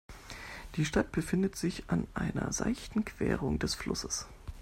Die Stadt befindet sich an einer seichten Querung des Flusses.